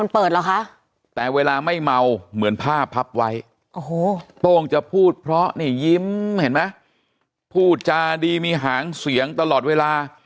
เพราะนี่ยิ้มเห็นไหมพูดจาดีมีหางเสียงตลอดเวลา